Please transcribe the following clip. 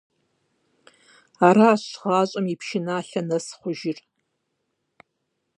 Аращ гъащӀэм и пшыналъэ нэс хъужыр.